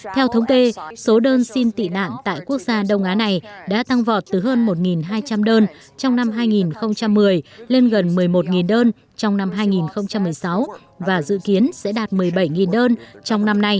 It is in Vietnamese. theo thống kê số đơn xin tị nạn tại quốc gia đông á này đã tăng vọt từ hơn một hai trăm linh đơn trong năm hai nghìn một mươi lên gần một mươi một đơn trong năm hai nghìn một mươi sáu và dự kiến sẽ đạt một mươi bảy đơn trong năm nay